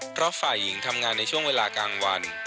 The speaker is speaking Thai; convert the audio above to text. เพราะฝ่ายหญิงทำงานในช่วงเวลากลางวัน